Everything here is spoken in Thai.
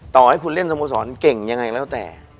ต่อให้คุณเล่นสโมสรเก่งยังไงแล้วแต่